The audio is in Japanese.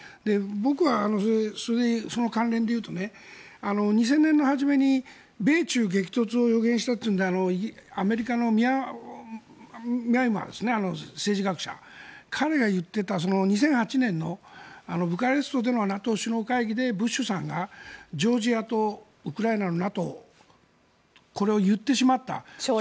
僕はその関連で言うと２０００年の初めに米中激突を予言したというのでアメリカの政治学者。彼が言っていた２００８年のＮＡＴＯ首脳会議でブッシュさんが、ジョージアとウクライナのＮＡＴＯこれを言ってしまった。